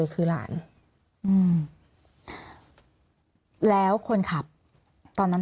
เขาลอด